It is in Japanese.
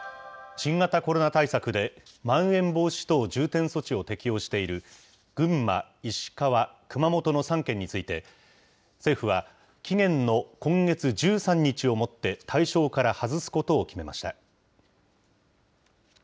新型コロナ対策で、まん延防止等重点措置を適用している群馬、石川、熊本の３県について、政府は、期限の今月１３日をもって、対象から外すことを決めました。